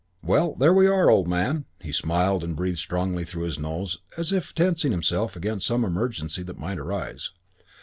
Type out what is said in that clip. "Well, there we are, old man." He smiled and breathed strongly through his nose, as if tensing himself against some emergency that might arise.